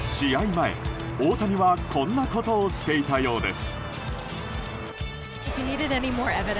前、大谷はこんなことをしていたようです。